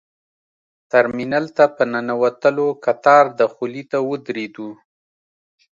ترمینل ته په ننوتلو کتار دخولي ته ودرېدو.